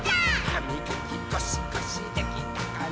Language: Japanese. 「はみがきゴシゴシできたかな？」